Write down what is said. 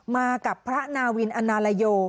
มากับพระนาวินอนาลโย